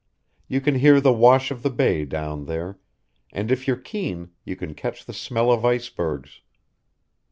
You can hear the wash of the Bay down there, and if you're keen you can catch the smell of icebergs.